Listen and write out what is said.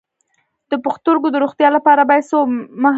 د پښتورګو د روغتیا لپاره باید څه مه هیروم؟